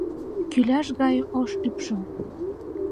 Кӱляш гае ош ӱпшым